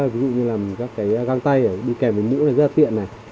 ví dụ như là các cái găng tay đi kèm với nữ này rất là tiện này